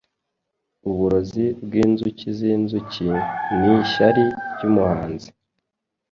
Uburozi bwinzuki zinzuki Nishyari ryumuhanzi.